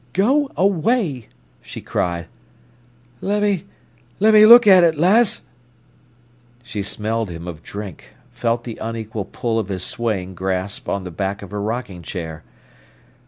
"Go away!" she cried. "Lemme—lemme look at it, lass." She smelled him of drink, felt the unequal pull of his swaying grasp on the back of her rocking chair.